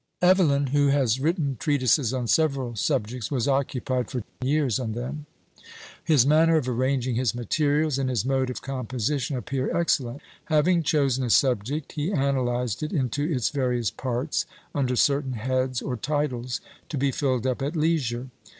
Evelyn, who has written treatises on several subjects, was occupied for years on them. His manner of arranging his materials, and his mode of composition, appear excellent. Having chosen a subject, he analysed it into its various parts, under certain heads, or titles, to be filled up at leisure.